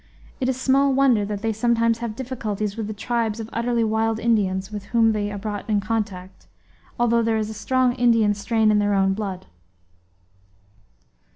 It is small wonder that they sometimes have difficulties with the tribes of utterly wild Indians with whom they are brought in contact, although there is a strong Indian strain in their own blood.